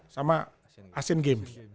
sama asian games